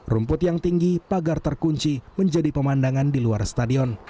rumput yang tinggi pagar terkunci menjadi pemandangan di luar stadion